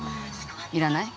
いらない？